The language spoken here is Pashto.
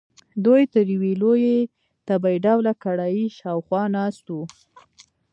دوی تر یوې لویې تبۍ ډوله کړایۍ شاخوا ناست وو.